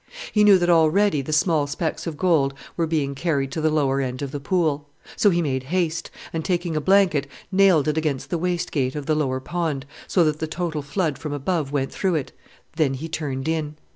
He knew that already the small specks of gold were being carried to the lower end of the pool. So he made haste, and, taking a blanket, nailed it at the waste gate of the lower pond, so that the total flood from above went through it: then he turned in.